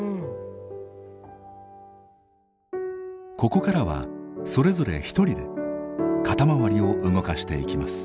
ここからはそれぞれ一人で肩周りを動かしていきます。